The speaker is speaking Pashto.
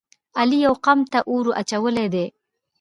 علی یوه قوم ته اور اچولی دی.